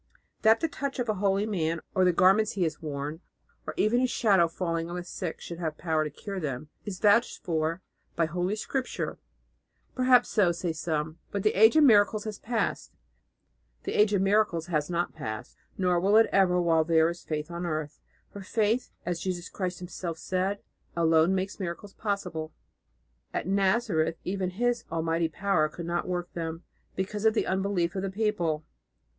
That the touch of a holy man, or the garments he has worn, or even his shadow falling on the sick should have power to cure them, is vouched for by Holy Scripture.[*] "Perhaps so," say some, "but the age of miracles has passed." The age of miracles has not passed, nor will it ever while there is faith on the earth; for faith, as Jesus Christ Himself said, alone makes miracles possible. At Nazareth even His almighty power could not work them, because of the unbelief of the people.